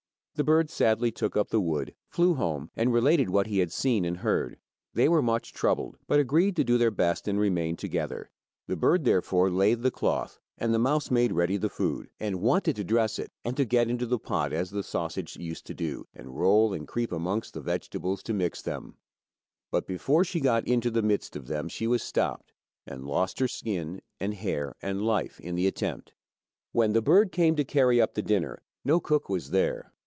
The bird sadly took up the wood, flew home, and related what he had seen and heard. They were much troubled, but agreed to do their best and remain together. The bird therefore laid the cloth, and the mouse made ready the food, and wanted to dress it, and to get into the pot as the sausage used to do, and roll and creep amongst the vegetables to mix them; but before she got into the midst of them she was stopped, and lost her skin and hair and life in the attempt. When the bird came to carry up the dinner, no cook was there.